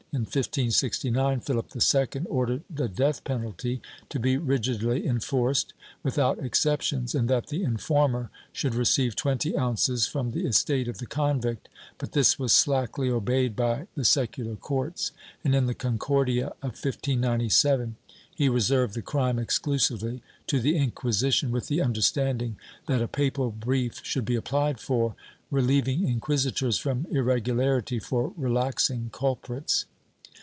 In 1569 Philip II ordered the death penalty to be rigidly enforced, without exceptions, and that the informer should receive twenty ounces from the estate of the convict, but this was slackly obeyed by the secular courts and, in the Concordia of 1597, he reserved the crime exclusively to the Inquisition, with the understanding that a papal brief should be applied for, relieving inquisitors from irregularity for relaxing culprits.